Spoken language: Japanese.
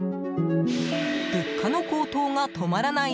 物価の高騰が止まらない